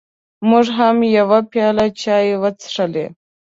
موږ هم یوه پیاله چای وڅښلې.